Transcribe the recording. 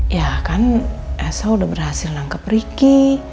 ya kan elsa udah berhasil nangkep riki